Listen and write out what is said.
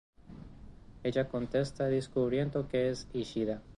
Ella contesta, descubriendo que es Ishida.